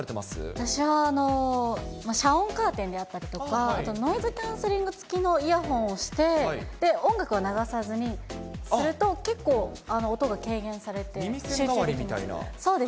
私は遮音カーテンであったりとか、あとノイズキャンセリング付きのイヤホンをして、音楽は流さずにすると、結構、音が軽減されて集中できます。